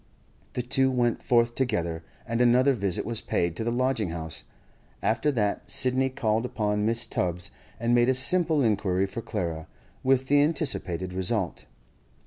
The two went forth together, and another visit was paid to the lodging house. After that Sidney called upon Mrs. Tubbs, and made a simple inquiry for Clara, with the anticipated result.